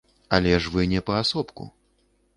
Але ж вы не паасобку.